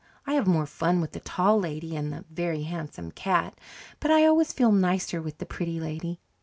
I have more fun with the Tall Lady and the Very Handsome Cat, but I always feel nicer with the Pretty Lady.